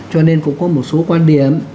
cho nên cũng có một số quan điểm